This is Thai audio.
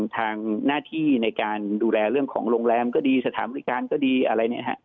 ทางหน้าที่ในการดูแลเรื่องของโรงแรมก็ดีสถานบริการก็ดีอะไร